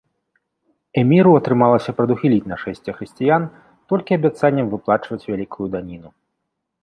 Эміру атрымалася прадухіліць нашэсце хрысціян толькі абяцаннем выплачваць вялікую даніну.